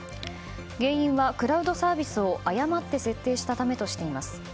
原因はクラウドサービスを誤って設定したためとしています。